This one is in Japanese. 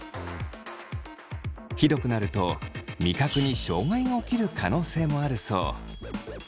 ひどくなると味覚に障害が起きる可能性もあるそう。